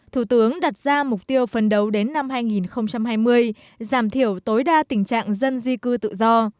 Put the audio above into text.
thủ tướng đặt ra mục tiêu phấn đấu đến năm hai nghìn hai mươi giảm thiểu tối đa tình trạng dân di cư tự do